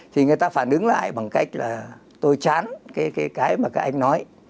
thì người ta phản ứng lại bằng cách là tôi chán cái mà các anh nói